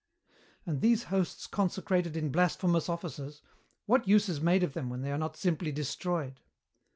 "And these hosts consecrated in blasphemous offices, what use is made of them when they are not simply destroyed?"